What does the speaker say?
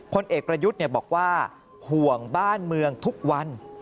เอกประยุทธ์บอกว่าห่วงบ้านเมืองทุกวัน